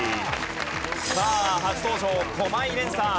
さあ初登場駒井蓮さん。